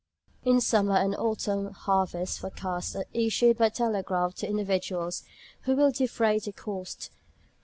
In summer and autumn harvest forecasts are issued by telegraph to individuals who will defray the cost.